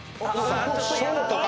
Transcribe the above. ショートか？